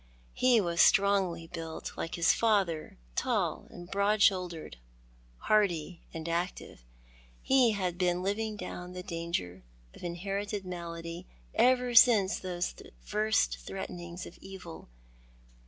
He was strongly built, like his father, tall, and broad shouldered, hardy and active. He had been living down the danger of inherited malady ever since those first threatenings of evil.